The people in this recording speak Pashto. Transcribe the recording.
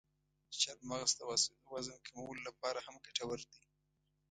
چارمغز د وزن کمولو لپاره هم ګټور دی.